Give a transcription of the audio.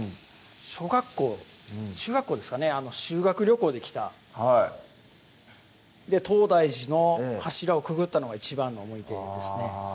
小学校中学校ですかね修学旅行で来たはい東大寺の柱をくぐったのが一番の思い出ですね